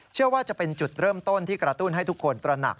เชื่อว่าจะเป็นจุดเริ่มต้นที่กระตุ้นให้ทุกคนตระหนัก